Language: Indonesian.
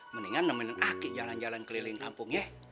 mendingan nemenin aki jalan jalan keliling kampungnya